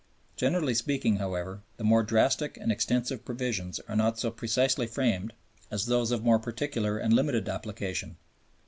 Generally speaking, however, the more drastic and extensive provisions are not so precisely framed as those of more particular and limited application.